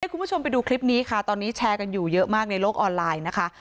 คุณผู้ชมไปดูคลิปนี้ค่ะตอนนี้แชร์กันอยู่เยอะมากในโลกออนไลน์นะคะ